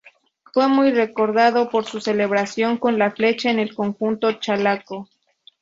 Fue muy recordado por su celebración con la flecha en el conjunto chalaco.